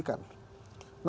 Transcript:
dan itu juga signifikan